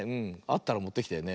あったらもってきて。